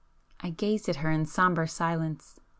I gazed at her in sombre silence.